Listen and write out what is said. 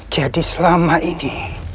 jadi selama ini